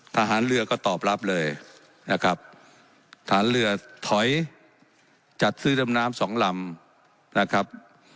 ทหารเรือก็ตอบรับเลยนะครับฐานเรือถอยจัดซื้อดำน้ำสองลำนะครับ